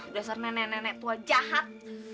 dasar nenek nenek tua jahat